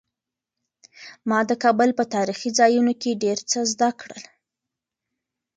ما د کابل په تاریخي ځایونو کې ډېر څه زده کړل.